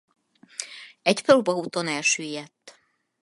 Egy próbaúton elsüllyedt.